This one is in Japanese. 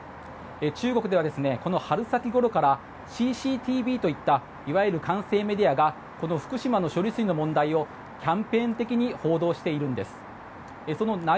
中国では春先ごろからＣＣＴＶといったいわゆる政治系メディアが福島の処理水の問題をキャンペーン的に報道しているんです。